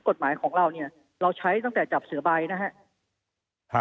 กฎหมายของเราเนี่ยเราใช้ตั้งแต่จับเสือใบนะครับ